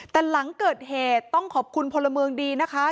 แต่หลังเกิดเหตุต้องขอบคุณพลเมืองดีนะคะ